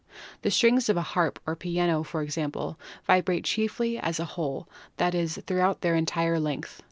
The strings of a harp or piano, for example, vibrate chiefly as a whole — that is, throughout their entire length.